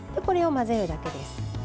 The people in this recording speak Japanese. これを混ぜるだけです。